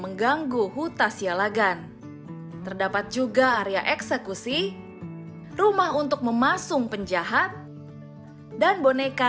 mengganggu huta sialagan terdapat juga area eksekusi rumah untuk memasung penjahat dan boneka